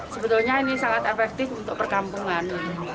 sebetulnya ini sangat efektif untuk perkampungan